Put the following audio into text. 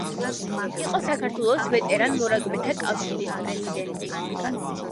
იყო საქართველოს ვეტერან მორაგბეთა კავშირის პრეზიდენტი.